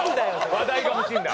話題が欲しいんだ。